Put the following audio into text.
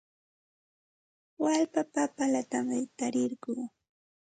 Walka papallatam rantirquu.